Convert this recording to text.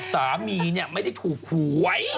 สามีเนี่ยไม่ได้ถูกหวย